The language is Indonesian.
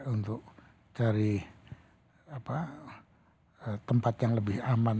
untuk cari tempat yang lebih aman